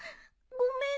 ごめんね。